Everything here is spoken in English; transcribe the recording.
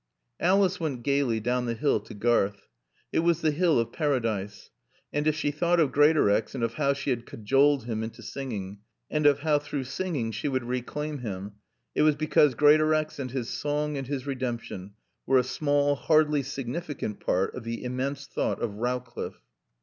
Alice went gaily down the hill to Garth. It was the hill of Paradise. And if she thought of Greatorex and of how she had cajoled him into singing, and of how through singing she would reclaim him, it was because Greatorex and his song and his redemption were a small, hardly significant part of the immense thought of Rowcliffe.